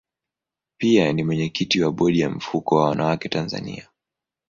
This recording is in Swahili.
Pia ni mwenyekiti wa bodi ya mfuko wa wanawake Tanzania.